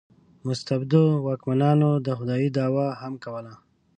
مستبدو واکمنانو د خدایي دعوا هم کوله.